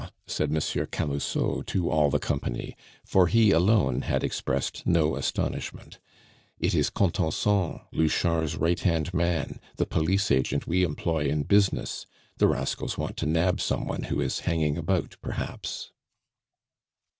said Monsieur Camusot to all the company, for he alone had expressed no astonishment, "it is Contenson, Louchard's right hand man, the police agent we employ in business. The rascals want to nab some one who is hanging about perhaps."